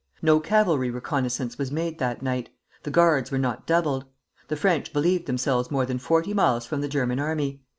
No cavalry reconnoissance was made that night; the guards were not doubled. The French believed themselves more than forty miles from the German army.